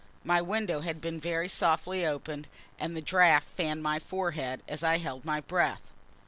My window had been very softly opened, and the draught fanned my forehead as I held my breath.